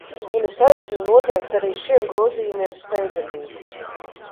Un es aicinu noteikt arī šiem grozījumiem steidzamību.